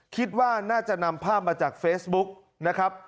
คิดว่าน่าจะนำภาพมาจากเฟซบุ๊กนะครับ